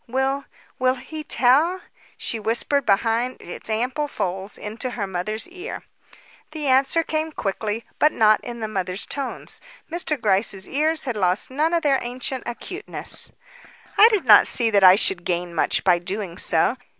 "Will will he tell?" she whispered behind its ample folds into her mother's ear. The answer came quickly, but not in the mother's tones. Mr. Gryce's ears had lost none of their ancient acuteness. "I do not see that I should gain much by doing so.